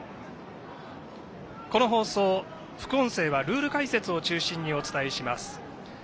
この放送、副音声はルール解説を中心にお伝えします。